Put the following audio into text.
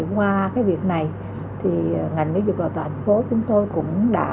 qua cái việc này thì ngành nữ dục và tòa hành phố chúng tôi cũng đã